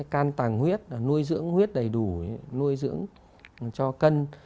can tàng huyết nuôi dưỡng huyết đầy đủ nuôi dưỡng cho cân